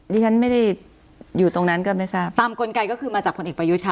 ดิฉันไม่ได้อยู่ตรงนั้นก็ไม่ทราบตามกลไกก็คือมาจากผลเอกประยุทธ์ค่ะ